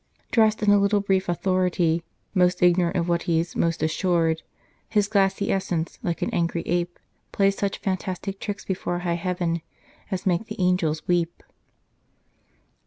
" Dressed in a little brief authority, Most ignorant of what he s most assured His glassy essence like an angry ape, Plays such fantastic tricks before high Heaven As make the angels weep."